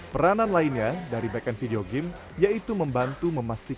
peranan lainnya dari backen video game yaitu membantu memastikan